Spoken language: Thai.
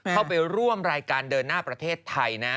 เข้าไปร่วมรายการเดินหน้าประเทศไทยนะ